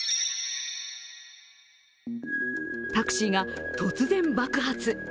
タクシーが突然爆発。